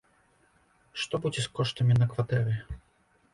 Што будзе з коштамі на кватэры?